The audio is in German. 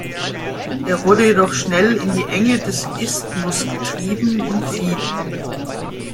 Er wurde jedoch schnell in die Enge des Isthmus getrieben und fiel.